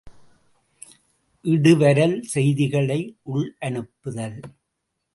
இடுவரல், செய்திகளை உள் அனுப்புதல்.